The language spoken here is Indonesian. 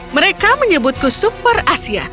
mereka menyebutku super asia